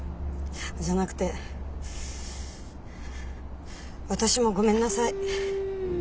じゃなくて私もごめんなさい。